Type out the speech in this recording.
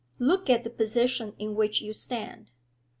Look at the position in which you stand.